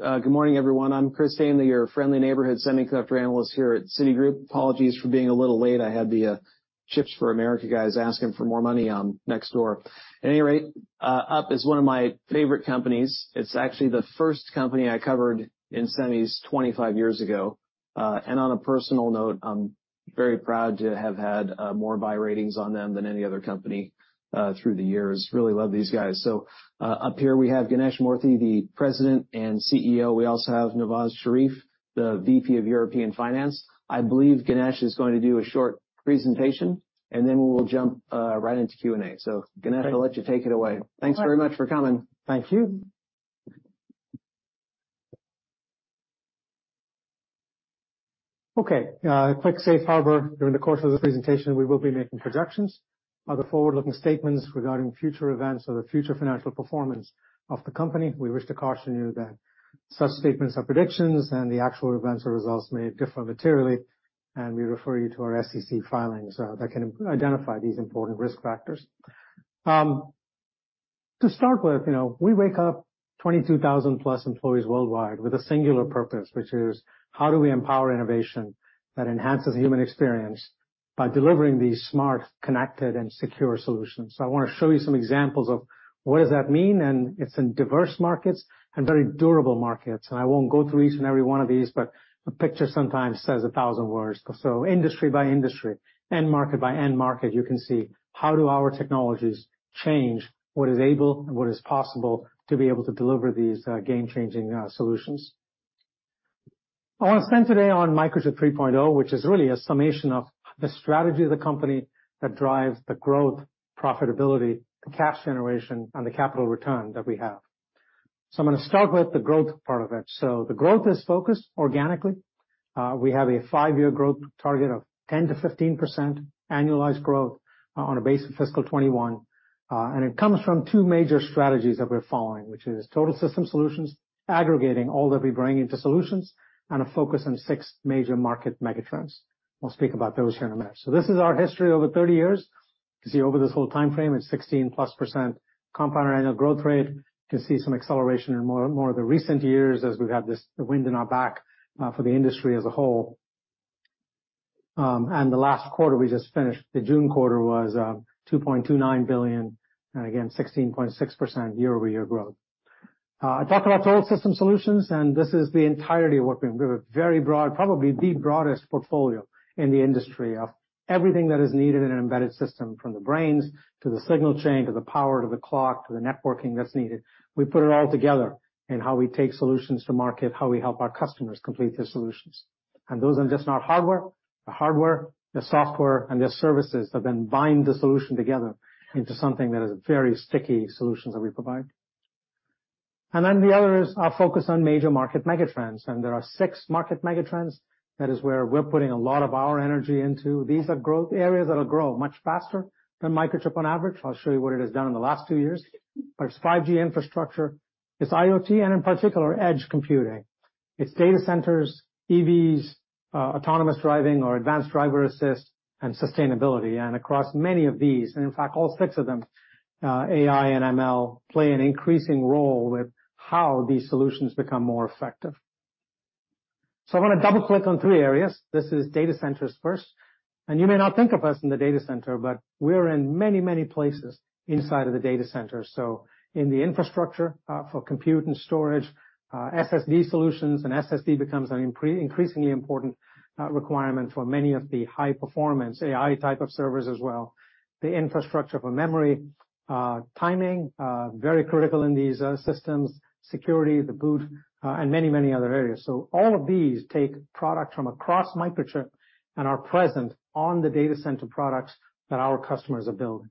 Good morning, everyone. I'm Chris Danely, your friendly neighborhood semiconductor analyst here at Citigroup. Apologies for being a little late. I had the CHIPS for America guys asking for more money next door. At any rate, Microchip is one of my favorite companies. It's actually the first company I covered in semis 25 years ago. And on a personal note, I'm very proud to have had more buy ratings on them than any other company through the years. Really love these guys. So, up here, we have Ganesh Moorthy, the President and CEO. We also have Nawaz Sharif, the VP of European Finance. I believe Ganesh is going to do a short presentation, and then we will jump right into Q&A. So, Ganesh, I'll let you take it away. Thanks very much for coming. Thank you. Okay, a quick safe harbor. During the course of the presentation, we will be making projections of the forward-looking statements regarding future events or the future financial performance of the company. We wish to caution you that such statements are predictions, and the actual events or results may differ materially, and we refer you to our SEC filings that can identify these important risk factors. To start with, you know, we wake up 22,000+ employees worldwide with a singular purpose, which is, how do we empower innovation that enhances human experience by delivering these smart, connected, and secure solutions? So I want to show you some examples of what does that mean, and it's in diverse markets and very durable markets. And I won't go through each and every one of these, but a picture sometimes says a thousand words. So industry by industry, end market by end market, you can see how our technologies change what is able and what is possible to be able to deliver these game-changing solutions. I want to spend today on Microchip 3.0, which is really a summation of the strategy of the company that drives the growth, profitability, the cash generation, and the capital return that we have. So I'm going to start with the growth part of it. So the growth is focused organically. We have a five-year growth target of 10%-15% annualized growth on a base of fiscal 2021, and it comes from two major strategies that we're following, which is Total System Solutions, aggregating all that we bring into solutions, and a focus on six major market megatrends. We'll speak about those here in a minute. So this is our history over 30 years. You see, over this whole time frame, it's 16%+ compound annual growth rate. You can see some acceleration in more of the recent years as we've had this, the wind in our back, for the industry as a whole. And the last quarter, we just finished, the June quarter, was $2.29 billion, and again, 16.6% year-over-year growth. I talked about total system solutions, and this is the entirety of what we've built, a very broad, probably the broadest portfolio in the industry, of everything that is needed in an embedded system, from the brains to the signal chain, to the power, to the clock, to the networking that's needed. We put it all together in how we take solutions to market, how we help our customers complete their solutions. And those are just not hardware. The hardware, the software, and the services that then bind the solution together into something that is very sticky solutions that we provide. And then the other is our focus on major market megatrends, and there are six market megatrends. That is where we're putting a lot of our energy into. These are growth areas that'll grow much faster than Microchip on average. I'll show you what it has done in the last two years. There's 5G infrastructure, it's IoT, and in particular, edge computing. It's data centers, EVs, autonomous driving or advanced driver assist and sustainability. And across many of these, and in fact, all six of them, AI and ML play an increasing role with how these solutions become more effective. So I want to double-click on three areas. This is data centers first, and you may not think of us in the data center, but we're in many, many places inside of the data center. So in the infrastructure for compute and storage, SSD solutions, and SSD becomes an increasingly important requirement for many of the high-performance AI type of servers as well. The infrastructure for memory, timing, very critical in these systems, security, the boot, and many, many other areas. So all of these take product from across Microchip and are present on the data center products that our customers are building.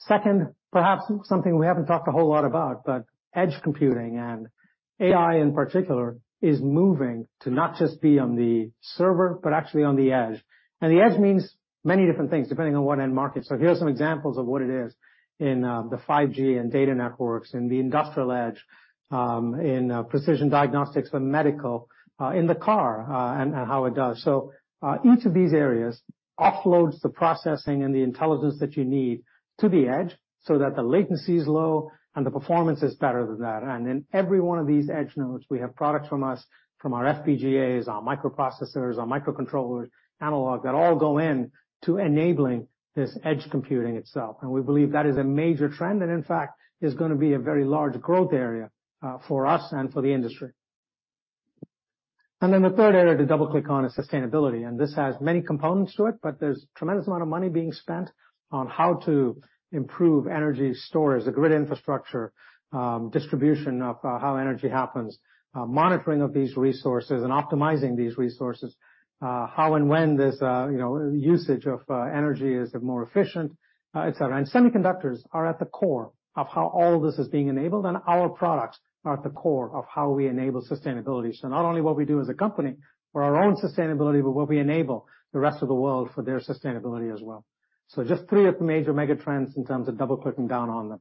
Second, perhaps something we haven't talked a whole lot about, but edge computing and AI, in particular, is moving to not just be on the server, but actually on the edge. And the edge means many different things, depending on what end market. So here are some examples of what it is in the 5G and data networks, in the industrial edge, in precision diagnostics for medical, in the car, and how it does. So each of these areas offloads the processing and the intelligence that you need to the edge so that the latency is low and the performance is better than that. And in every one of these edge nodes, we have products from us, from our FPGAs, our microprocessors, our microcontrollers, analog, that all go in to enabling this edge computing itself. And we believe that is a major trend, and in fact, is going to be a very large growth area for us and for the industry. And then the third area to double-click on is sustainability, and this has many components to it, but there's tremendous amount of money being spent on how to improve energy storage, the grid infrastructure, distribution of, how energy happens, monitoring of these resources, and optimizing these resources, how and when this, you know, usage of, energy is more efficient, et cetera. And semiconductors are at the core of how all this is being enabled, and our products are at the core of how we enable sustainability. So not only what we do as a company for our own sustainability, but what we enable the rest of the world for their sustainability as well. So just three of the major megatrends in terms of double-clicking down on them....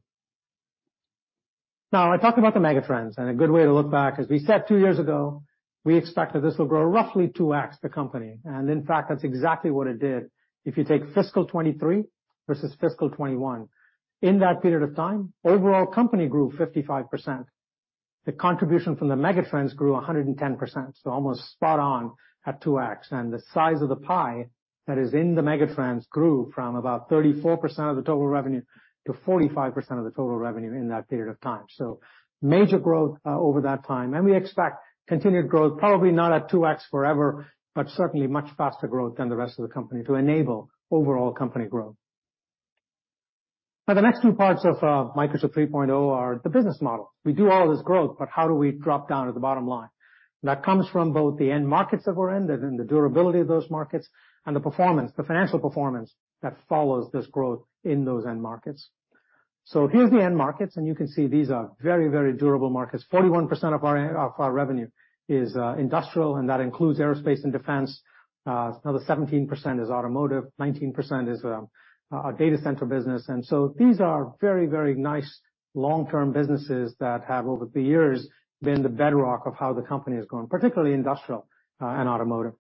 Now, I talked about the megatrends, and a good way to look back, as we said two years ago, we expect that this will grow roughly 2x the company, and in fact, that's exactly what it did. If you take fiscal 2023 versus fiscal 2021, in that period of time, overall company grew 55%. The contribution from the megatrends grew 110%, so almost spot on at 2x. The size of the pie that is in the megatrends grew from about 34% of the total revenue to 45% of the total revenue in that period of time. So major growth over that time, and we expect continued growth, probably not at 2x forever, but certainly much faster growth than the rest of the company to enable overall company growth. Now, the next two parts of Microchip 3.0 are the business model. We do all this growth, but how do we drop down to the bottom line? That comes from both the end markets that we're in, and then the durability of those markets, and the performance, the financial performance, that follows this growth in those end markets. So here's the end markets, and you can see these are very, very durable markets. 41% of our revenue is industrial, and that includes aerospace and defense. Another 17% is automotive, 19% is our data center business. And so these are very, very nice long-term businesses that have, over the years, been the bedrock of how the company has grown, particularly industrial and automotive.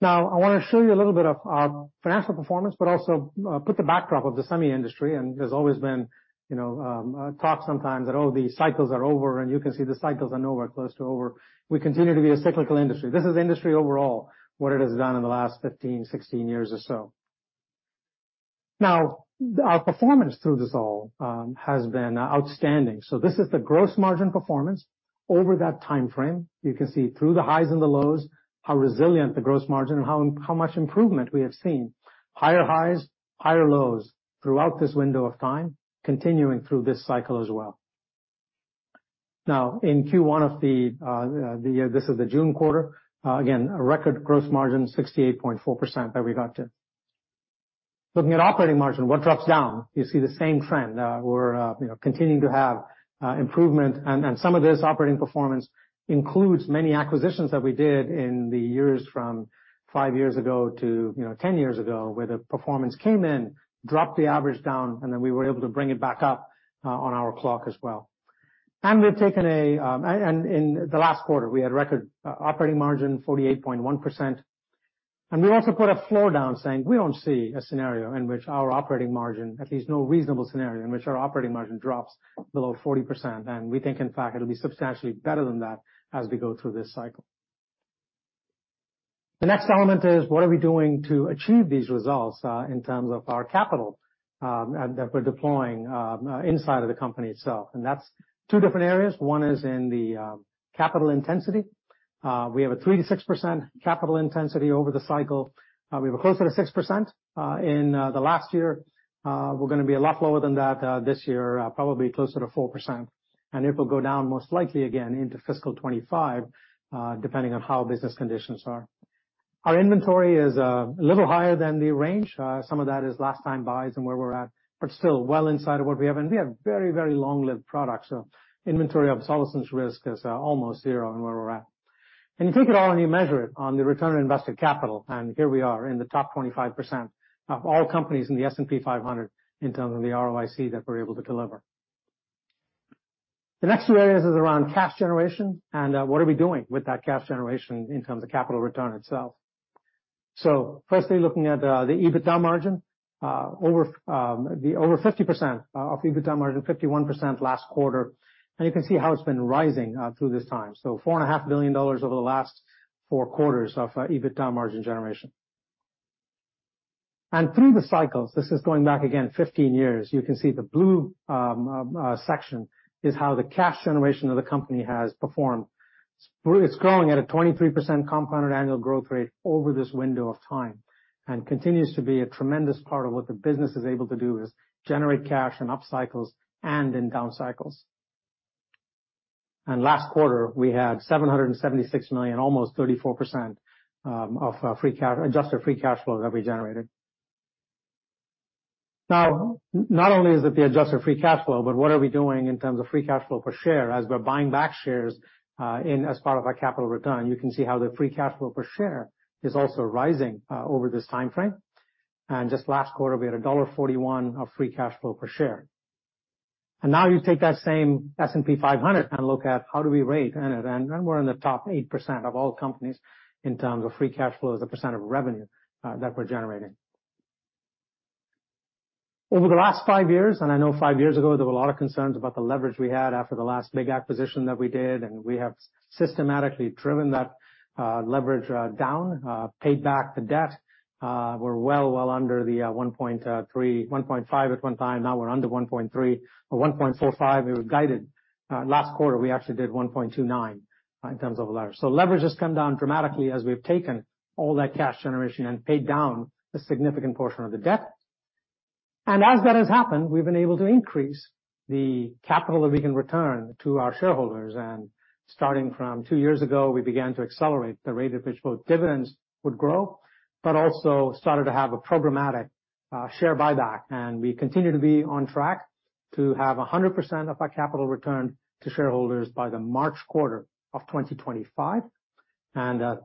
Now, I wanna show you a little bit of our financial performance, but also put the backdrop of the semi industry. There's always been, you know, a talk sometimes that, oh, the cycles are over, and you can see the cycles are nowhere close to over. We continue to be a cyclical industry. This is the industry overall, what it has done in the last 15, 16 years or so. Now, our performance through this all has been outstanding. This is the gross margin performance over that time frame. You can see through the highs and the lows, how resilient the gross margin and how, how much improvement we have seen. Higher highs, higher lows throughout this window of time, continuing through this cycle as well. Now, in Q1 of the, the, this is the June quarter, again, a record gross margin, 68.4%, that we got to. Looking at operating margin, what drops down? You see the same trend. We're, you know, continuing to have improvement, and some of this operating performance includes many acquisitions that we did in the years from five years ago to, you know, ten years ago, where the performance came in, dropped the average down, and then we were able to bring it back up, on our clock as well. And we've taken a, And in the last quarter, we had record operating margin, 48.1%. And we also put a floor down saying, "We don't see a scenario in which our operating margin, at least no reasonable scenario, in which our operating margin drops below 40%." And we think, in fact, it'll be substantially better than that as we go through this cycle. The next element is: What are we doing to achieve these results, in terms of our capital, and that we're deploying, inside of the company itself? And that's two different areas. One is in the, capital intensity. We have a 3%-6% capital intensity over the cycle. We were closer to 6%, in the last year. We're gonna be a lot lower than that, this year, probably closer to 4%, and it will go down most likely again into fiscal 2025, depending on how business conditions are. Our inventory is a little higher than the range. Some of that is last time buys and where we're at, but still well inside of what we have. And we have very, very long-lived products, so inventory obsolescence risk is almost zero on where we're at. And you take it all and you measure it on the return on invested capital, and here we are in the top 25% of all companies in the S&P 500, in terms of the ROIC that we're able to deliver. The next two areas is around cash generation and, what are we doing with that cash generation in terms of capital return itself. So firstly, looking at, the EBITDA margin, over 50%, of EBITDA margin, 51% last quarter, and you can see how it's been rising, through this time. So $4.5 billion over the last four quarters of, EBITDA margin generation. And through the cycles, this is going back again 15 years, you can see the blue section, is how the cash generation of the company has performed. It's growing at a 23% compounded annual growth rate over this window of time, and continues to be a tremendous part of what the business is able to do, is generate cash in up cycles and in down cycles. Last quarter, we had $776 million, almost 34%, of adjusted free cash flow that we generated. Now, not only is it the adjusted free cash flow, but what are we doing in terms of free cash flow per share as we're buying back shares, as part of our capital return? You can see how the free cash flow per share is also rising over this time frame. And just last quarter, we had $1.41 of free cash flow per share. And now you take that same S&P 500 and look at how do we rate, and we're in the top 8% of all companies in terms of free cash flow as a % of revenue that we're generating. Over the last five years, and I know five years ago, there were a lot of concerns about the leverage we had after the last big acquisition that we did, and we have systematically driven that leverage down, paid back the debt. We're well under the 1.3. 1.5 at one time, now we're under 1.3. At 1.45, we were guided. Last quarter, we actually did 1.29 in terms of leverage. So leverage has come down dramatically as we've taken all that cash generation and paid down a significant portion of the debt. And as that has happened, we've been able to increase the capital that we can return to our shareholders. Starting from 2 years ago, we began to accelerate the rate at which both dividends would grow, but also started to have a programmatic share buyback. We continue to be on track to have 100% of our capital return to shareholders by the March quarter of 2025.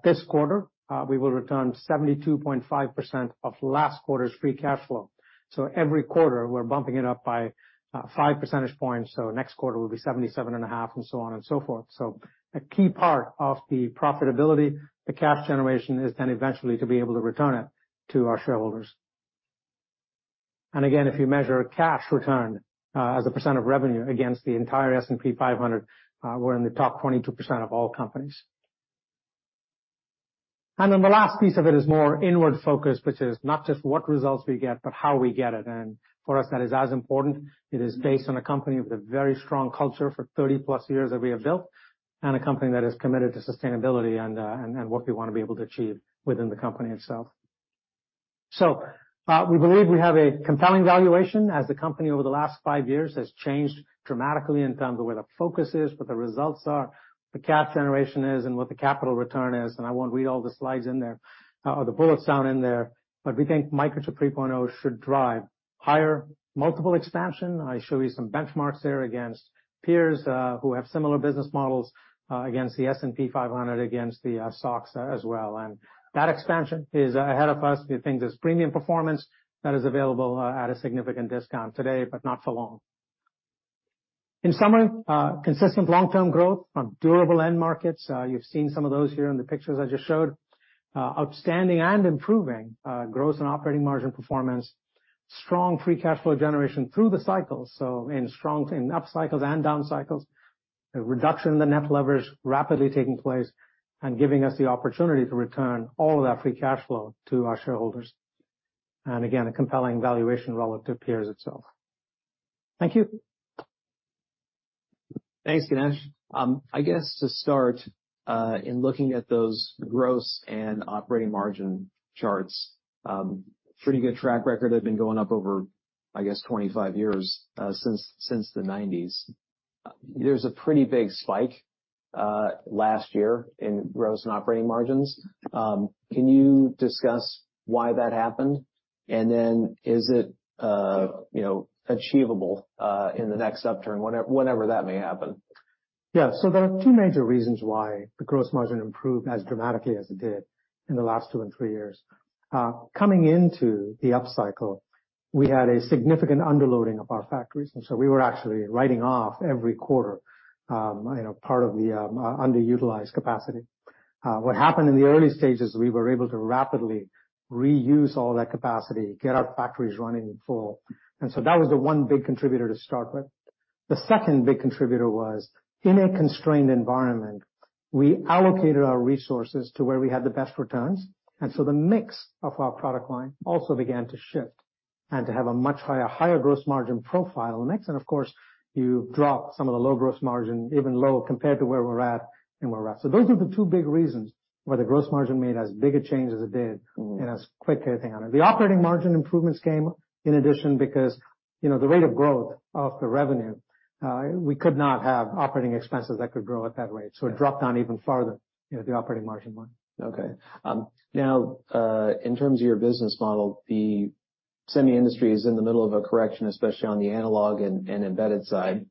This quarter, we will return 72.5% of last quarter's free cash flow. So every quarter, we're bumping it up by 5 percentage points, so next quarter will be 77.5, and so on and so forth. So a key part of the profitability, the cash generation, is then eventually to be able to return it to our shareholders. And again, if you measure cash return as a percent of revenue against the entire S&P 500, we're in the top 22% of all companies. And then the last piece of it is more inward focus, which is not just what results we get, but how we get it. And for us, that is as important. It is based on a company with a very strong culture for 30+ years that we have built, and a company that is committed to sustainability and, and, and what we want to be able to achieve within the company itself. So, we believe we have a compelling valuation as the company, over the last 5 years, has changed dramatically in terms of where the focus is, what the results are, what the cash generation is, and what the capital return is. And I won't read all the slides in there, or the bullets down in there, but we think Microchip 3.0 should drive higher multiple expansion. I show you some benchmarks there against peers, who have similar business models, against the S&P 500, against the stocks as well. That expansion is ahead of us. We think there's premium performance that is available at a significant discount today, but not for long. In summary, consistent long-term growth from durable end markets. You've seen some of those here in the pictures I just showed. Outstanding and improving gross and operating margin performance. Strong free cash flow generation through the cycles, in up cycles and down cycles. A reduction in the net leverage rapidly taking place and giving us the opportunity to return all of that free cash flow to our shareholders. Again, a compelling valuation relative to peers itself. Thank you. Thanks, Ganesh. I guess to start, in looking at those gross and operating margin charts, pretty good track record have been going up over, I guess, 25 years, since the 1990s. There's a pretty big spike, last year in gross and operating margins. Can you discuss why that happened? And then is it, you know, achievable, in the next upturn, whenever that may happen? Yeah. So there are two major reasons why the gross margin improved as dramatically as it did in the last two and three years. Coming into the upcycle, we had a significant underloading of our factories, and so we were actually writing off every quarter, you know, part of the underutilized capacity. What happened in the early stages, we were able to rapidly reuse all that capacity, get our factories running in full, and so that was the one big contributor to start with. The second big contributor was, in a constrained environment, we allocated our resources to where we had the best returns, and so the mix of our product line also began to shift and to have a much higher, higher gross margin profile mix. And of course, you drop some of the low gross margin, even lower, compared to where we're at, and where we're at. So those are the two big reasons why the gross margin made as big a change as it did and as quick a thing on it. The operating margin improvements came in addition because, you know, the rate of growth of the revenue, we could not have operating expenses that could grow at that rate, so it dropped down even further, you know, the operating margin one. Okay. Now, in terms of your business model, the semi industry is in the middle of a correction, especially on the analog and embedded side.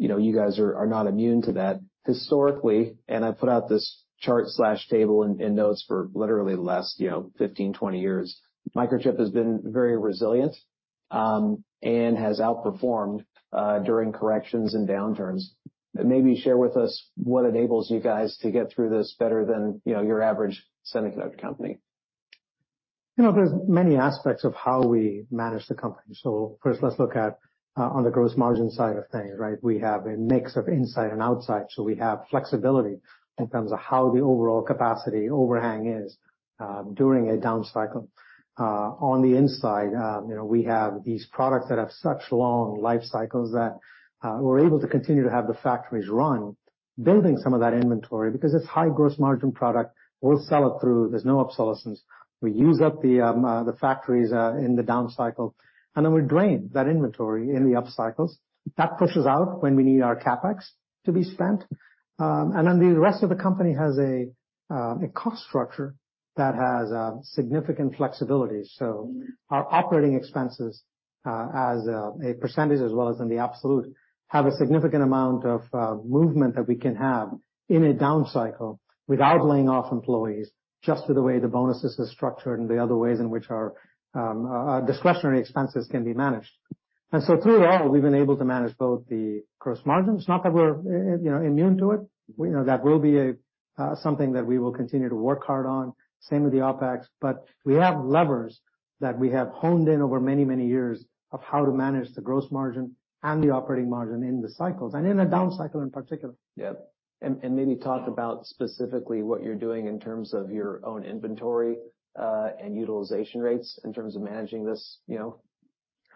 You know, you guys are not immune to that. Historically, and I put out this chart/table in notes for literally the last, you know, 15, 20 years, Microchip has been very resilient, and has outperformed during corrections and downturns. Maybe share with us what enables you guys to get through this better than, you know, your average semiconductor company. You know, there's many aspects of how we manage the company. So first, let's look at, on the gross margin side of things, right? We have a mix of inside and outside, so we have flexibility in terms of how the overall capacity overhang is, during a down cycle. On the inside, you know, we have these products that have such long life cycles that, we're able to continue to have the factories run, building some of that inventory, because it's high gross margin product. We'll sell it through. There's no obsolescence. We use up the factories, in the down cycle, and then we drain that inventory in the up cycles. That pushes out when we need our CapEx to be spent. And then the rest of the company has a cost structure that has significant flexibility. So our operating expenses, as a percentage, as well as in the absolute, have a significant amount of movement that we can have in a down cycle without laying off employees, just to the way the bonuses are structured and the other ways in which our discretionary expenses can be managed. And so through it all, we've been able to manage both the gross margins, not that we're, you know, immune to it. We know that will be a something that we will continue to work hard on. Same with the OpEx, but we have levers that we have honed in over many, many years of how to manage the gross margin and the operating margin in the cycles, and in a down cycle, in particular. Yeah. And maybe talk about specifically what you're doing in terms of your own inventory, and utilization rates in terms of managing this, you know,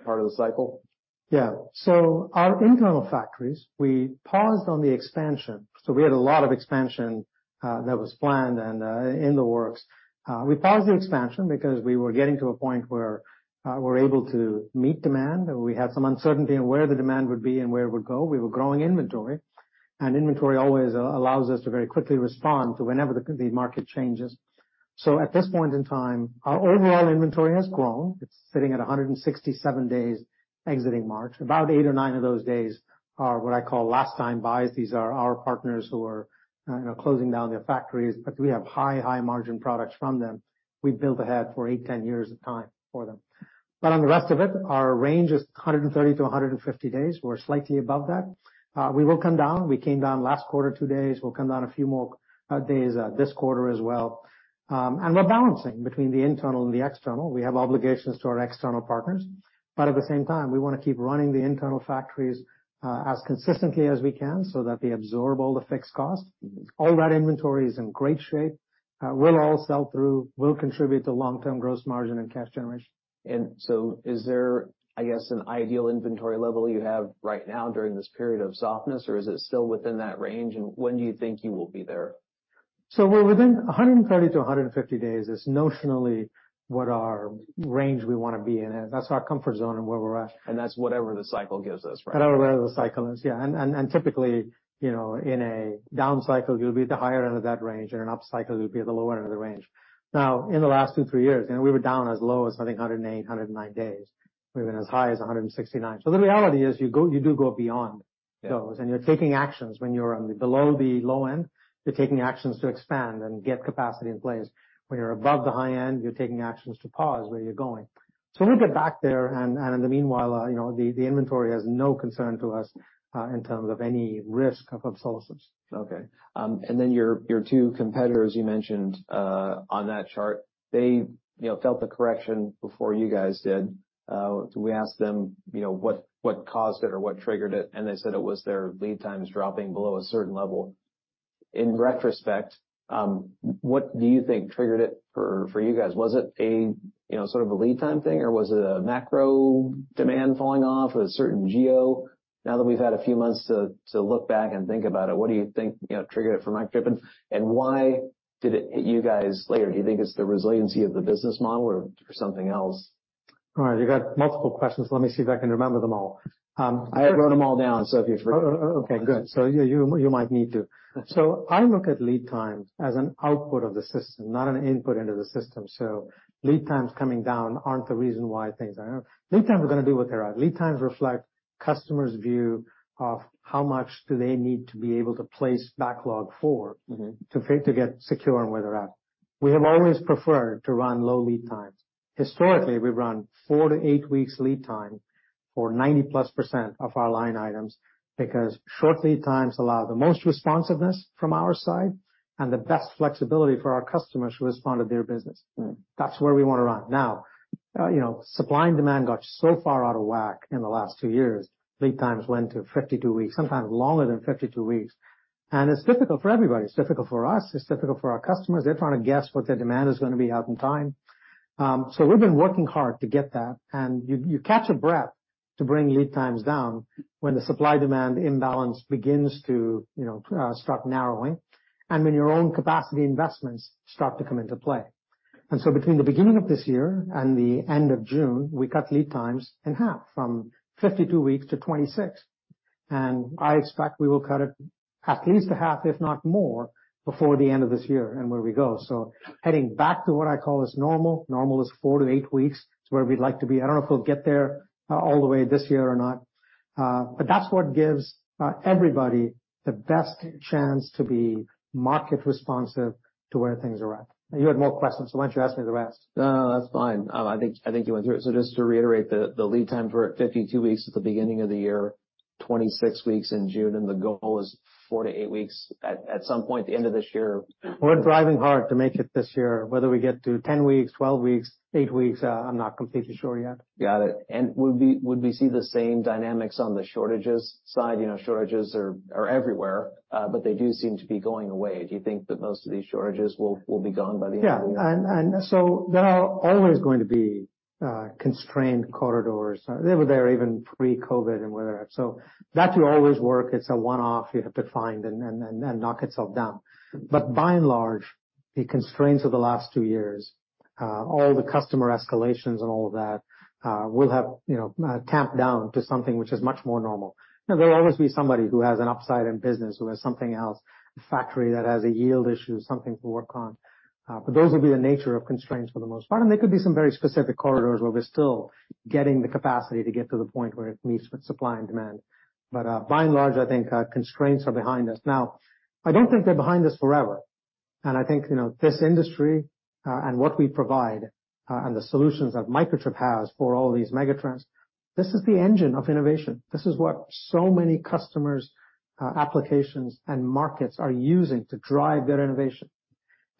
part of the cycle. Yeah. So our internal factories, we paused on the expansion. So we had a lot of expansion that was planned and in the works. We paused the expansion because we were getting to a point where we're able to meet demand, and we had some uncertainty on where the demand would be and where it would go. We were growing inventory, and inventory always allows us to very quickly respond to whenever the market changes.... So at this point in time, our overall inventory has grown. It's sitting at 167 days exiting March. About 8 or 9 of those days are what I call last time buys. These are our partners who are, you know, closing down their factories, but we have high, high margin products from them. We've built ahead for 8, 10 years of time for them. But on the rest of it, our range is 130 to 150 days. We're slightly above that. We will come down. We came down last quarter, 2 days. We'll come down a few more days this quarter as well. And we're balancing between the internal and the external. We have obligations to our external partners, but at the same time, we wanna keep running the internal factories as consistently as we can so that they absorb all the fixed costs. All that inventory is in great shape, will all sell through, will contribute to long-term gross margin and cash generation. And so is there, I guess, an ideal inventory level you have right now during this period of softness, or is it still within that range? And when do you think you will be there? So we're within 130-150 days is notionally what our range we wanna be in, and that's our comfort zone and where we're at. That's whatever the cycle gives us, right? Whatever the cycle is, yeah. Typically, you know, in a down cycle, you'll be at the higher end of that range. In an upcycle, you'll be at the lower end of the range. Now, in the last two, three years, you know, we were down as low as, I think, 108, 109 days. We've been as high as 169. So the reality is, you go, you do go beyond those, and you're taking actions when you're below the low end, you're taking actions to expand and get capacity in place. When you're above the high end, you're taking actions to pause where you're going. So we'll get back there, and in the meanwhile, you know, the inventory has no concern to us in terms of any risk of obsolescence. Okay. And then your, your two competitors, you mentioned on that chart, they, you know, felt the correction before you guys did. We asked them, you know, what, what caused it or what triggered it, and they said it was their lead times dropping below a certain level. In retrospect, what do you think triggered it for, for you guys? Was it a, you know, sort of a lead time thing, or was it a macro demand falling off a certain geo? Now that we've had a few months to, to look back and think about it, what do you think, you know, triggered it for Microchip, and why did it hit you guys later? Do you think it's the resiliency of the business model or something else? All right, you got multiple questions. Let me see if I can remember them all. I wrote them all down, so if you forget. Oh, okay, good. So you, you might need to. So I look at lead times as an output of the system, not an input into the system. So lead times coming down aren't the reason why things are... Lead times are gonna do what they are. Lead times reflect customers view of how much do they need to be able to place backlog for- Mm-hmm. To get secure on where they're at. We have always preferred to run low lead times. Historically, we've run 4-8 weeks lead time for 90%+ of our line items, because short lead times allow the most responsiveness from our side and the best flexibility for our customers to respond to their business. Right. That's where we wanna run. Now, you know, supply and demand got so far out of whack in the last two years. Lead times went to 52 weeks, sometimes longer than 52 weeks. It's difficult for everybody. It's difficult for us, it's difficult for our customers. They're trying to guess what their demand is gonna be out in time. So we've been working hard to get that, and you, you catch a breath to bring lead times down when the supply/demand imbalance begins to, you know, start narrowing and when your own capacity investments start to come into play. Between the beginning of this year and the end of June, we cut lead times in half, from 52 weeks to 26, and I expect we will cut it at least half, if not more, before the end of this year and where we go. Heading back to what I call is normal. Normal is 4-8 weeks. It's where we'd like to be. I don't know if we'll get there, all the way this year or not, but that's what gives everybody the best chance to be market responsive to where things are at. You had more questions, so why don't you ask me the rest? No, that's fine. I think, I think you went through it. So just to reiterate, the lead times were at 52 weeks at the beginning of the year, 26 weeks in June, and the goal is 4-8 weeks at some point the end of this year. We're driving hard to make it this year. Whether we get to 10 weeks, 12 weeks, 8 weeks, I'm not completely sure yet. Got it. Would we see the same dynamics on the shortages side? You know, shortages are everywhere, but they do seem to be going away. Do you think that most of these shortages will be gone by the end of the year? Yeah. And so there are always going to be constrained corridors. They were there even pre-COVID and whatever. So that will always work. It's a one-off you have to find and knock itself down. But by and large, the constraints of the last two years, all the customer escalations and all of that, will have, you know, tamped down to something which is much more normal. Now, there will always be somebody who has an upside in business, who has something else, a factory that has a yield issue, something to work on. But those will be the nature of constraints for the most part, and there could be some very specific corridors where we're still getting the capacity to get to the point where it meets with supply and demand. But, by and large, I think, constraints are behind us. Now, I don't think they're behind us forever. And I think, you know, this industry, and what we provide, and the solutions that Microchip has for all these megatrends, this is the engine of innovation. This is what so many customers, applications, and markets are using to drive their innovation.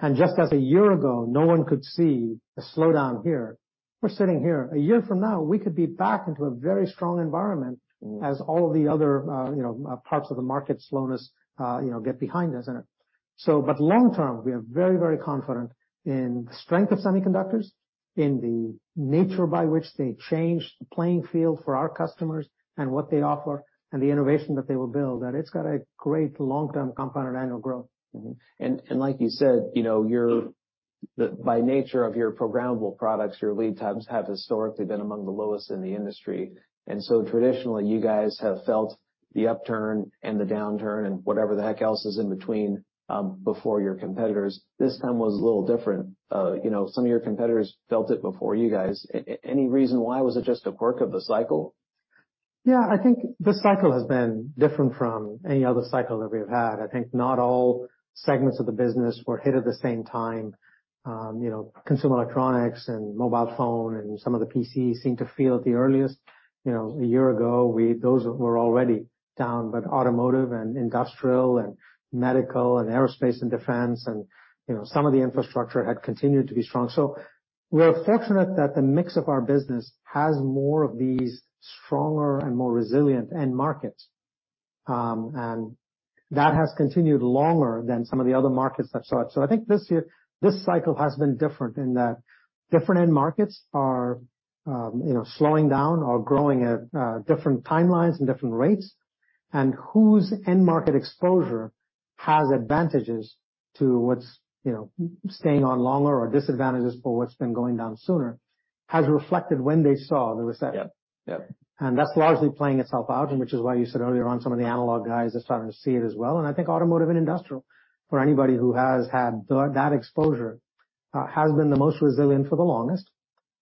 And just as a year ago, no one could see a slowdown here, we're sitting here. A year from now, we could be back into a very strong environment. Mm. as all of the other, you know, parts of the market slowness, you know, get behind us. And so, but long term, we are very, very confident in the strength of semiconductors, in the nature by which they change the playing field for our customers and what they offer and the innovation that they will build, that it's got a great long-term compounded annual growth. Mm-hmm. And like you said, you know, by nature of your programmable products, your lead times have historically been among the lowest in the industry. And so traditionally, you guys have felt the upturn and the downturn and whatever the heck else is in between, before your competitors. This time was a little different. You know, some of your competitors felt it before you guys. Any reason why? Was it just a quirk of the cycle? Yeah, I think this cycle has been different from any other cycle that we've had. I think not all segments of the business were hit at the same time. You know, consumer electronics and mobile phone and some of the PCs seemed to feel it the earliest. You know, a year ago, those were already down, but automotive and industrial and medical and aerospace and defense and, you know, some of the infrastructure had continued to be strong. So we're fortunate that the mix of our business has more of these stronger and more resilient end markets. And that has continued longer than some of the other markets I've saw it. So I think this year, this cycle has been different in that different end markets are, you know, slowing down or growing at, different timelines and different rates, and whose end market exposure has advantages to what's, you know, staying on longer or disadvantages for what's been going down sooner, has reflected when they saw the reset. Yep. Yep. That's largely playing itself out, which is why you said earlier on, some of the analog guys are starting to see it as well. I think automotive and industrial, for anybody who has had that exposure, has been the most resilient for the longest.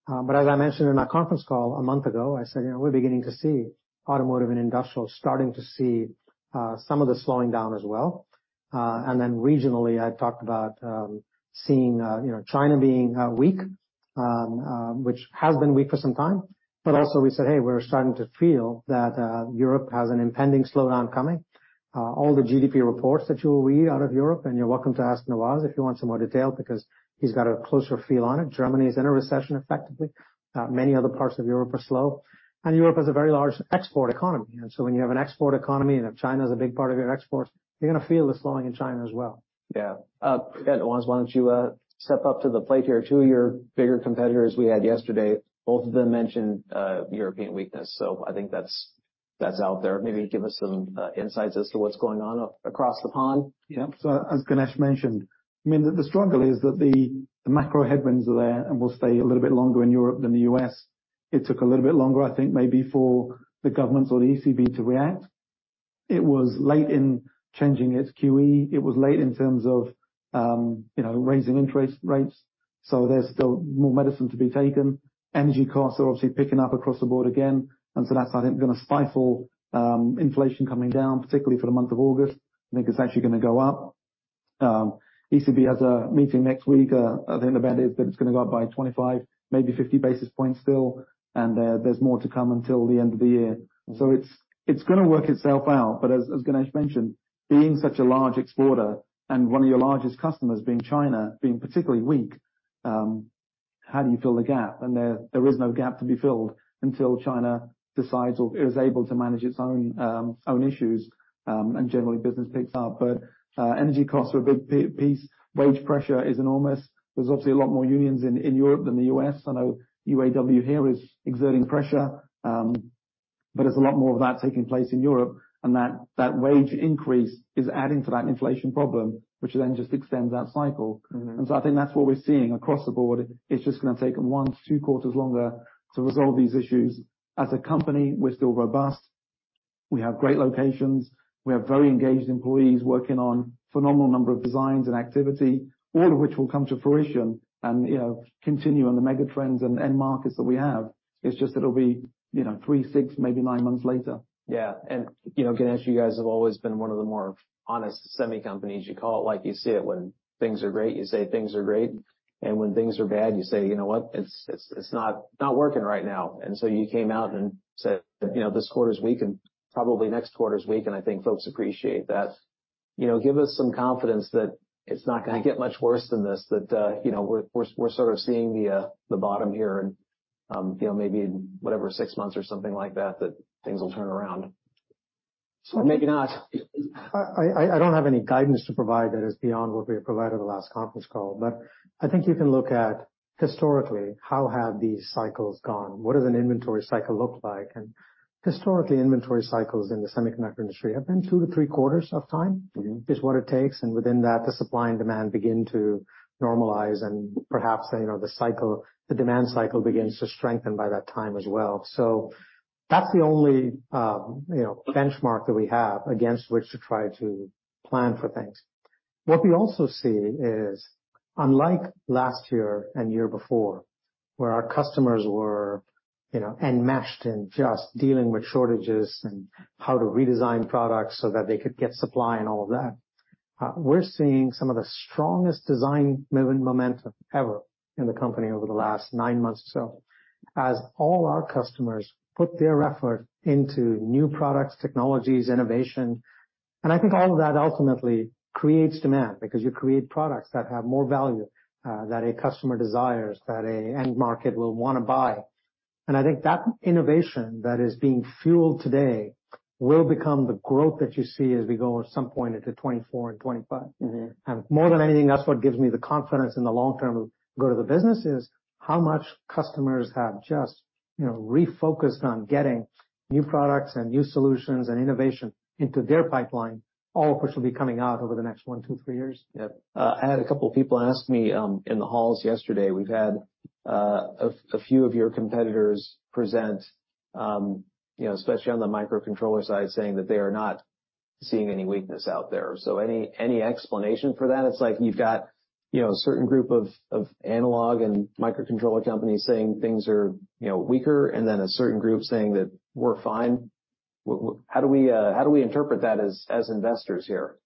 But as I mentioned in our conference call a month ago, I said, you know, we're beginning to see automotive and industrial starting to see some of the slowing down as well. And then regionally, I talked about seeing, you know, China being weak, which has been weak for some time. But also we said, hey, we're starting to feel that Europe has an impending slowdown coming. All the GDP reports that you will read out of Europe, and you're welcome to ask Nawaz, if you want some more detail, because he's got a closer feel on it. Germany is in a recession, effectively. Many other parts of Europe are slow, and Europe has a very large export economy. And so when you have an export economy, and if China is a big part of your exports, you're going to feel the slowing in China as well. Yeah. Again, Nawaz, why don't you step up to the plate here? Two of your bigger competitors we had yesterday, both of them mentioned European weakness, so I think that's out there. Maybe give us some insights as to what's going on across the pond. Yeah. So as Ganesh mentioned, I mean, the struggle is that the macro headwinds are there and will stay a little bit longer in Europe than the U.S. It took a little bit longer, I think, maybe for the governments or the ECB to react. It was late in changing its QE. It was late in terms of, you know, raising interest rates, so there's still more medicine to be taken. Energy costs are obviously picking up across the board again, and so that's, I think, going to stifle inflation coming down, particularly for the month of August. I think it's actually going to go up. ECB has a meeting next week. I think the bet is that it's going to go up by 25, maybe 50 basis points still, and there's more to come until the end of the year. So it's going to work itself out. But as Ganesh mentioned, being such a large exporter and one of your largest customers being China, being particularly weak, how do you fill the gap? And there is no gap to be filled until China decides or is able to manage its own issues, and generally, business picks up. But energy costs are a big piece. Wage pressure is enormous. There's obviously a lot more unions in Europe than the U.S. I know UAW here is exerting pressure, but there's a lot more of that taking place in Europe, and that wage increase is adding to that inflation problem, which then just extends that cycle. Mm-hmm. So I think that's what we're seeing across the board. It's just going to take them 1-2 quarters longer to resolve these issues. As a company, we're still robust. We have great locations. We have very engaged employees working on phenomenal number of designs and activity, all of which will come to fruition and, you know, continue on the mega trends and end markets that we have. It's just that it'll be, you know, 3, 6, maybe 9 months later. Yeah. You know, Ganesh, you guys have always been one of the more honest semi companies. You call it like you see it. When things are great, you say things are great, and when things are bad, you say, "You know what? It's not working right now." So you came out and said, you know, this quarter's weak and probably next quarter's weak, and I think folks appreciate that. You know, give us some confidence that it's not going to get much worse than this, that, you know, we're sort of seeing the bottom here and, you know, maybe in whatever, six months or something like that, that things will turn around. Or maybe not. I don't have any guidance to provide that is beyond what we provided the last conference call, but I think you can look at, historically, how have these cycles gone? What does an inventory cycle look like? And historically, inventory cycles in the semiconductor industry have been 2-3 quarters of time- Mm-hmm. is what it takes, and within that, the supply and demand begin to normalize and perhaps, you know, the cycle, the demand cycle begins to strengthen by that time as well. So that's the only, you know, benchmark that we have against which to try to plan for things. What we also see is, unlike last year and year before, where our customers were, you know, enmeshed in just dealing with shortages and how to redesign products so that they could get supply and all of that, we're seeing some of the strongest design momentum ever in the company over the last nine months or so, as all our customers put their effort into new products, technologies, innovation. And I think all of that ultimately creates demand, because you create products that have more value, that a customer desires, that an end market will want to buy. I think that innovation that is being fueled today, will become the growth that you see as we go at some point into 2024 and 2025. Mm-hmm. More than anything, that's what gives me the confidence in the long-term growth of the business: it is how much customers have just, you know, refocused on getting new products and new solutions and innovation into their pipeline, all of which will be coming out over the next 1 to 2, 3 years. Yep. I had a couple of people ask me in the halls yesterday. We've had a few of your competitors present, you know, especially on the microcontroller side, saying that they are not seeing any weakness out there. So any explanation for that? It's like you've got, you know, a certain group of analog and microcontroller companies saying things are, you know, weaker, and then a certain group saying that we're fine. How do we interpret that as investors here?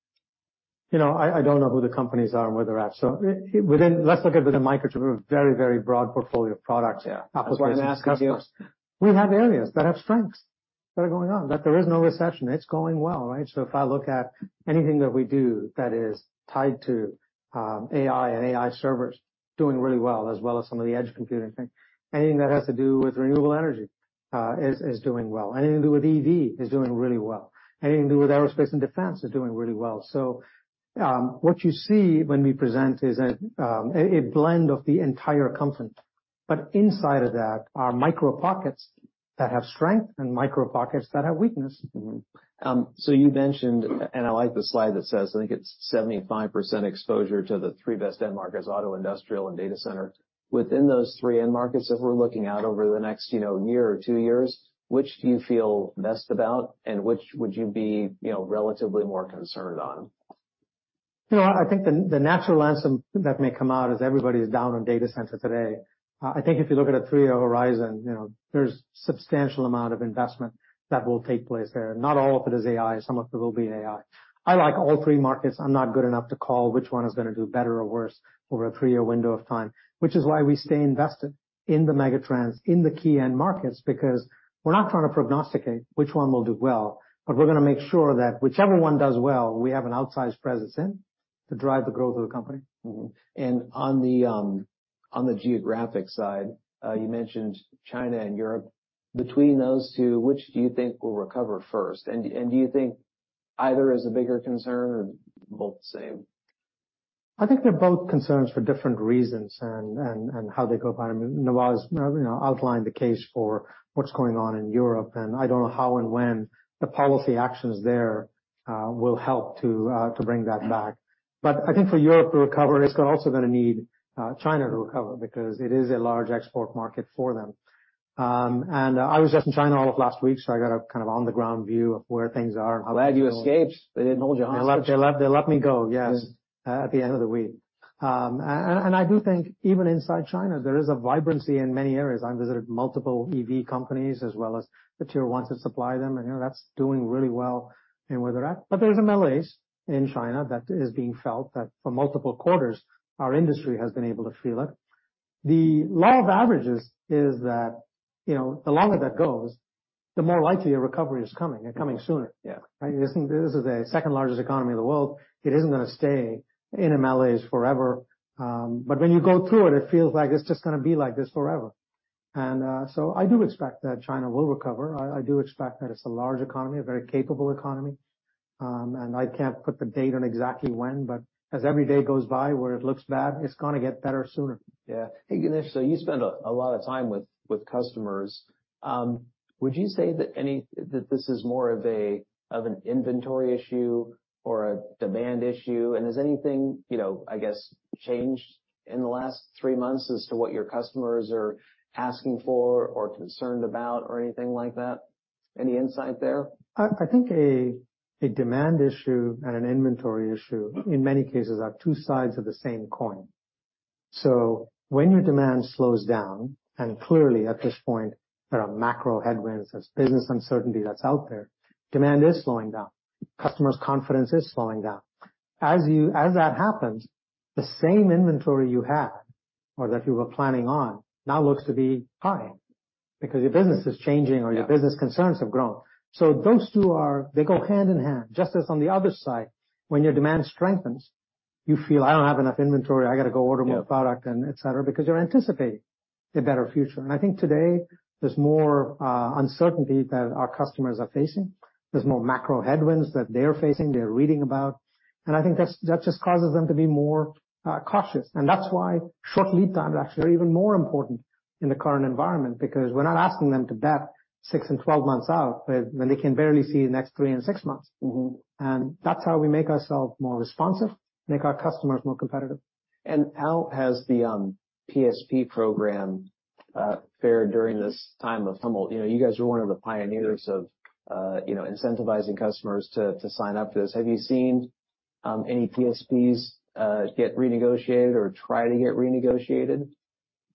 You know, I don't know who the companies are and where they're at. So, within micro, a very, very broad portfolio of products- Yeah. That's what I'm asking you. We have areas that have strengths that are going on, that there is no recession. It's going well, right? So if I look at anything that we do that is tied to AI and AI servers, doing really well, as well as some of the edge computing things. Anything that has to do with renewable energy is doing well. Anything to do with EV is doing really well. Anything to do with aerospace and defense is doing really well. So what you see when we present is a blend of the entire company, but inside of that are micro pockets that have strength and micro pockets that have weakness. So you mentioned, and I like the slide that says, I think it's 75% exposure to the three best end markets, auto, industrial, and data center. Within those three end markets, as we're looking out over the next, you know, year or two years, which do you feel best about and which would you be, you know, relatively more concerned on? You know, I think the natural answer that may come out is everybody is down on data center today. I think if you look at a three-year horizon, you know, there's substantial amount of investment that will take place there. Not all of it is AI, some of it will be AI. I like all three markets. I'm not good enough to call which one is going to do better or worse over a three-year window of time, which is why we stay invested in the megatrends, in the key end markets, because we're not trying to prognosticate which one will do well, but we're going to make sure that whichever one does well, we have an outsized presence in, to drive the growth of the company. Mm-hmm. And on the geographic side, you mentioned China and Europe. Between those two, which do you think will recover first? And do you think either is a bigger concern or both the same? I think they're both concerns for different reasons and how they go about them. Nawaz, you know, outlined the case for what's going on in Europe, and I don't know how and when the policy actions there will help to bring that back. But I think for Europe to recover, it's also going to need China to recover because it is a large export market for them. And I was just in China all of last week, so I got a kind of on-the-ground view of where things are. I'm glad you escaped. They didn't hold you hostage. They let me go, yes, at the end of the week. I do think even inside China, there is a vibrancy in many areas. I visited multiple EV companies as well as the tier ones that supply them, and, you know, that's doing really well in where they're at. But there is a malaise in China that is being felt, that for multiple quarters, our industry has been able to feel it. The law of averages is that, you know, the longer that goes, the more likely a recovery is coming and coming sooner. Yeah. Right? This is the second largest economy in the world. It isn't going to stay in a malaise forever, but when you go through it, it feels like it's just going to be like this forever. And, so I do expect that China will recover. I do expect that it's a large economy, a very capable economy, and I can't put the date on exactly when, but as every day goes by, where it looks bad, it's going to get better sooner. Yeah. Hey, Ganesh, so you spend a lot of time with customers. Would you say that this is more of an inventory issue or a demand issue? And has anything, you know, I guess, changed in the last three months as to what your customers are asking for or concerned about or anything like that? Any insight there? I think a demand issue and an inventory issue, in many cases, are two sides of the same coin. So when your demand slows down, and clearly, at this point, there are macro headwinds, there's business uncertainty that's out there, demand is slowing down. Customers' confidence is slowing down. As that happens, the same inventory you had or that you were planning on now looks to be high because your business is changing or your business concerns have grown. So those two, they go hand in hand, just as on the other side, when your demand strengthens, you feel, "I don't have enough inventory. I got to go order more product," and et cetera, because you're anticipating a better future. And I think today, there's more uncertainty that our customers are facing. There's more macro headwinds that they're facing, they're reading about, and I think that's just causes them to be more cautious. And that's why short lead times actually are even more important in the current environment, because we're not asking them to bet 6 and 12 months out when they can barely see the next 3 and 6 months. Mm-hmm. That's how we make ourselves more responsive, make our customers more competitive. How has the PSP program fared during this time of tumble? You know, you guys were one of the pioneers of, you know, incentivizing customers to, to sign up for this. Have you seen any PSPs get renegotiated or try to get renegotiated?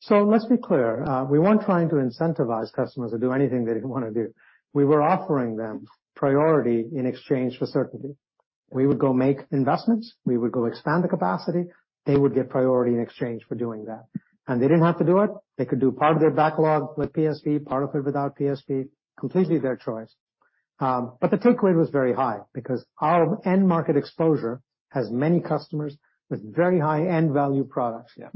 So let's be clear, we weren't trying to incentivize customers to do anything they didn't want to do. We were offering them priority in exchange for certainty. We would go make investments, we would go expand the capacity, they would get priority in exchange for doing that. They didn't have to do it. They could do part of their backlog with PSP, part of it without PSP, completely their choice. The takeaway was very high because our end market exposure has many customers with very high-end value products. Yeah.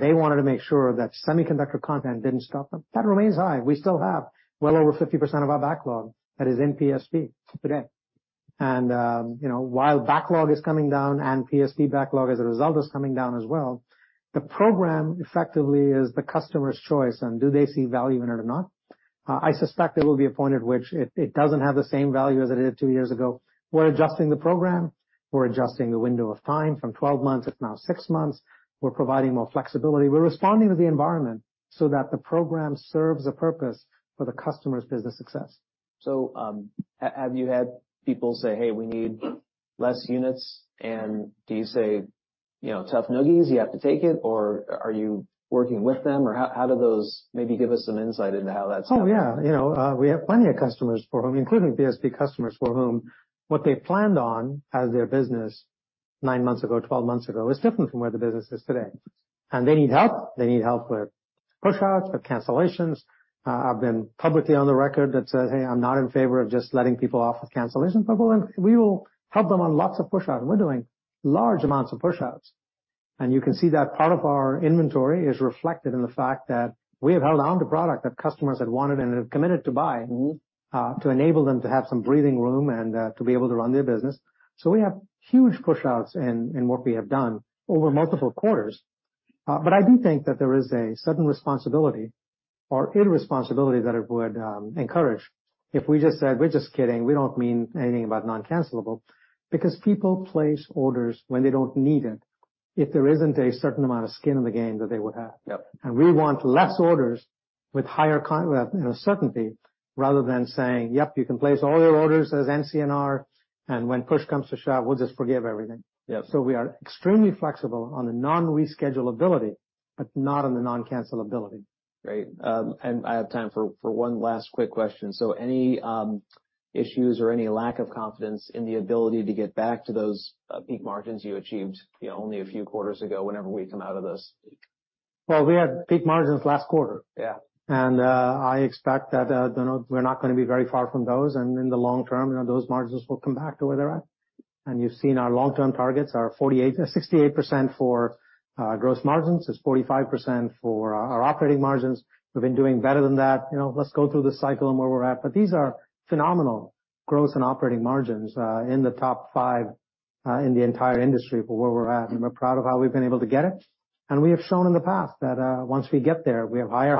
They wanted to make sure that semiconductor content didn't stop them. That remains high. We still have well over 50% of our backlog that is in PSP today. You know, while backlog is coming down and PSP backlog, as a result, is coming down as well, the program effectively is the customer's choice, and do they see value in it or not? I suspect there will be a point at which it doesn't have the same value as it did two years ago. We're adjusting the program. We're adjusting the window of time from 12 months, it's now 6 months. We're providing more flexibility. We're responding to the environment so that the program serves a purpose for the customer's business success. So, have you had people say, "Hey, we need less units?" And do you say, you know, "Tough noogies, you have to take it," or are you working with them? Or how do those, maybe give us some insight into how that's going? Oh, yeah. You know, we have plenty of customers for whom, including PSP customers, for whom, what they planned on as their business nine months ago, 12 months ago, is different from where the business is today. And they need help. They need help with pushouts, with cancellations. I've been publicly on the record that said, "Hey, I'm not in favor of just letting people off with cancellation," but we will help them on lots of pushout, and we're doing large amounts of pushouts. And you can see that part of our inventory is reflected in the fact that we have held on to product that customers had wanted and have committed to buy- Mm-hmm. To enable them to have some breathing room and to be able to run their business. So we have huge pushouts in what we have done over multiple quarters. But I do think that there is a certain responsibility or irresponsibility that it would encourage if we just said, "We're just kidding. We don't mean anything about non-cancellable," because people place orders when they don't need it, if there isn't a certain amount of skin in the game that they would have. Yep. We want less orders with higher certainty, rather than saying, "Yep, you can place all your orders as NCNR, and when push comes to shove, we'll just forgive everything. Yep. We are extremely flexible on the non-reschedulability, but not on the non-cancellability. Great. I have time for one last quick question. So any issues or any lack of confidence in the ability to get back to those peak margins you achieved, you know, only a few quarters ago whenever we come out of this? Well, we had peak margins last quarter. Yeah. And, I expect that, you know, we're not going to be very far from those, and in the long term, you know, those margins will come back to where they're at. And you've seen our long-term targets are 48%-68% for gross margins, it's 45% for our operating margins. We've been doing better than that. You know, let's go through the cycle and where we're at. But these are phenomenal growth in operating margins, in the top five, in the entire industry for where we're at, and we're proud of how we've been able to get it. And we have shown in the past that, once we get there, we have higher-